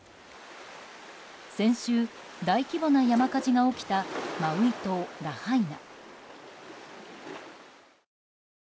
先週、大規模な山火事が起きたマウイ島ラハイナ。